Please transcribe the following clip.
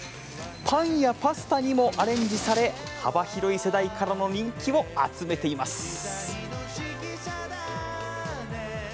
パンやパスタにもアレンジされ幅広い世代からの人気を集めています。